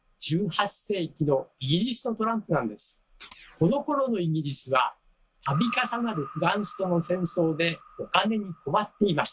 このころのイギリスはたび重なるフランスとの戦争でお金に困っていました。